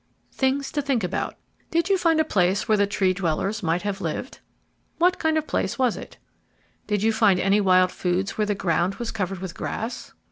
THINGS TO THINK ABOUT Did you find a place where the Tree dwellers might have lived? What kind of a place was it? Did you find any wild foods where the ground was covered with grass?